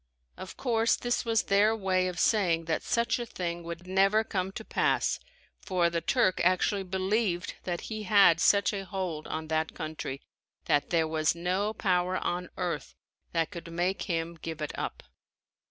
Of course this was their way of saying that such a thing would never come to pass for the Turk actually believed that he had such a hold on that country that there was no power on earth that could make him give it up.